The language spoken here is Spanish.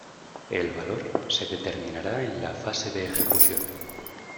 El valor se determinará en la fase de ejecución.